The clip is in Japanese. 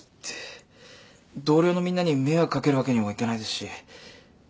同僚のみんなに迷惑掛けるわけにもいかないですし。